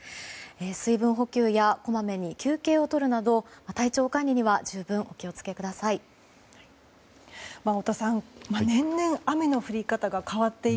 水分補給やこまめに休憩をとるなど体調管理には十分を気をつけください。